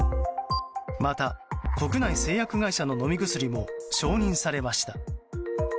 また、国内製薬会社の飲み薬も承認されました。